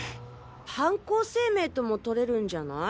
犯行声明ともとれるんじゃない？